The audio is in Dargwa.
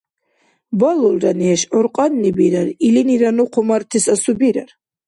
Балулра, неш, гӀур кьанни бирар, илинира ну хъумартес асубирар.